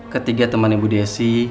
ketiga teman ibu desi